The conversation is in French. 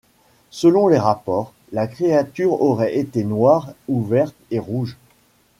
Selon les rapports, la créature aurait été noire ou verte et rouge.